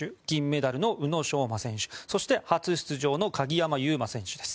銀メダルの宇野昌磨選手そして初出場の鍵山優真選手。